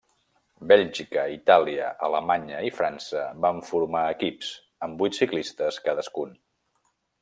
Bèlgica, Itàlia, Alemanya i França van formar equips amb vuit ciclistes cadascun.